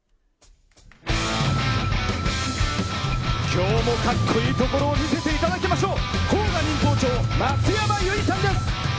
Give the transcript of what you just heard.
今日もかっこいいところを見せていただきましょう！